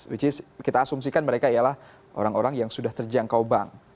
which is kita asumsikan mereka ialah orang orang yang sudah terjangkau bank